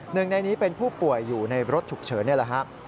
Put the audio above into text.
หนึ่งในนี้เป็นผู้ป่วยอยู่ในรถฉุกเฉินนี่แหละครับ